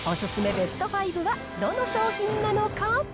ベスト５はどの商品なのか。